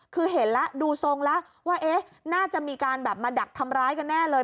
คือเห็นแล้วดูทรงแล้วว่าเอ๊ะน่าจะมีการแบบมาดักทำร้ายกันแน่เลย